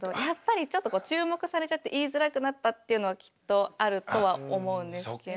やっぱりちょっと注目されちゃって言いづらくなったっていうのはきっとあるとは思うんですけど。